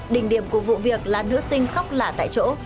đỉnh điểm của vụ việc là nữ sinh khóc lạ tại chỗ